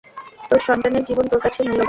তোর সন্তানের জীবন তোর কাছে মূল্যবান।